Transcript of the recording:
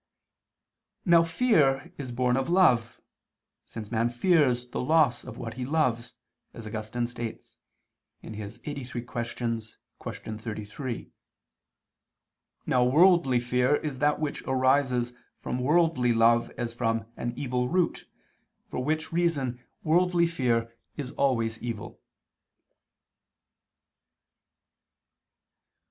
Now fear is born of love, since man fears the loss of what he loves, as Augustine states (Qq. lxxxiii, qu. 33). Now worldly fear is that which arises from worldly love as from an evil root, for which reason worldly fear is always evil.